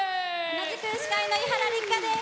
同じく司会の伊原六花です。